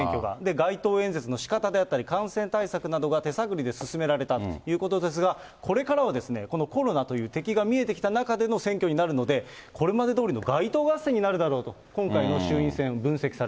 街頭演説のしかたであったり、感染対策などが手探りで進められたということですが、これからは、このコロナという敵が見えてきた中での選挙になるので、これまでどおりの街頭合戦になるだろうと、今回の衆院選を分析さ